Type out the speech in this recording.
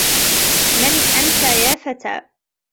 من أنت يا فتى؟